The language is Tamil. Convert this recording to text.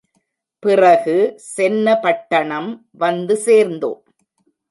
பிறகு சென்னபட்டணம் வந்து சேர்ந்தோம்.